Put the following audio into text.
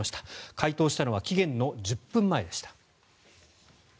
回答したのは期限の１０分前でした。